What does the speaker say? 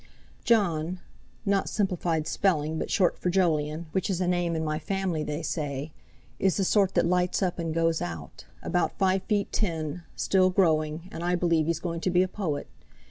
"Jon (not simplified spelling, but short for Jolyon, which is a name in my family, they say) is the sort that lights up and goes out; about five feet ten, still growing, and I believe he's going to be a poet.